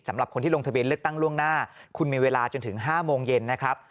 สำหรับคนที่ลงทะเบียนเลือกตั้งล่วงหน้าคุณมีเวลาจนถึง๕โมงเย็นนะครับ